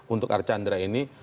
untuk archandra ini